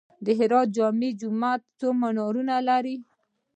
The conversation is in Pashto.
د هرات جامع جومات څو منارونه لري؟